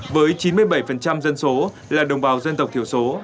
với chín mươi bảy dân số là đồng bào dân tộc thiểu số